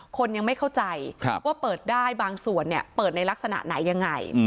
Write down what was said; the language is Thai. คนยังไม่เข้าใจว่าเปิดได้บางส่วนเปิดในลักษณะไหนยังไง